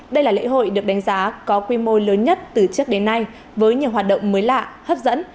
đây là lễ hội được đánh giá có quy mô lớn nhất từ trước đến nay với nhiều hoạt động mới lạ hấp dẫn